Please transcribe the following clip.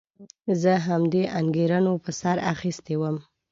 زه همدې انګېرنو په سر اخیستی وم.